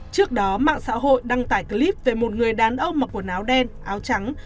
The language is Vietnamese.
trước đó mạng xã hội đăng tải clip về một người đàn ông mặc quần áo đen áo trắng